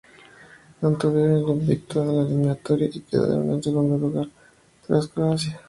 Mantuvieron el invicto en la eliminatoria, y quedaron en segundo lugar tras Croacia.